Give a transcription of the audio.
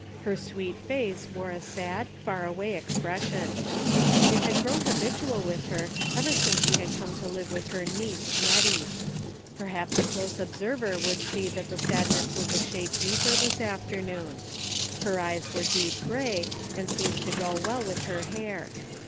Her sweet face wore a sad, far away expression. It had grown habitual with her ever since she had come to live with her niece Hettie. Perhaps a close observer would see that the sadness was a shade deeper this afternoon. Her eyes were deep grey and seemed to go well with her hair.